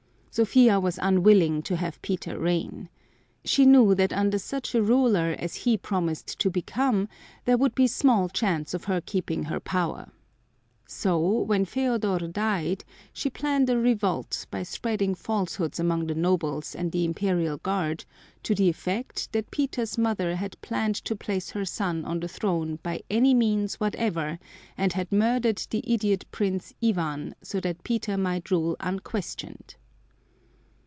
Sophia was most unwilling to have Peter reign. She knew that under such a ruler as he promised to become there would be small chance of her keeping her power. So, when Feodor died, she planned a revolt by spreading falsehoods among the nobles and the Imperial Guard to the effect that Peter's mother had planned to place her son on the throne by any means whatever and had murdered the idiot Prince Ivan so that Peter might rule unquestioned.